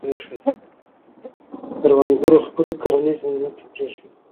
کروندګرو خپلې کرنیزې ځمکې پرېښودې.